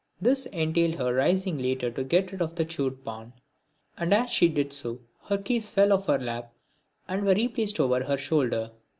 This entailed her rising later on to get rid of the chewed pan, and, as she did so, her keys fell off her lap and were replaced over her shoulder.